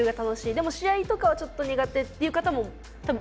でも試合とかはちょっと苦手っていう方も多分多いと思うんですよ